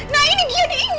nah ini dia nih